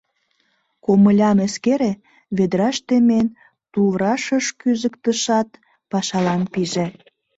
Комылям эскере, — ведраш темен, туврашыш кӱзыктышат, пашалан пиже.